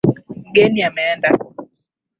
Mgeni ameenda.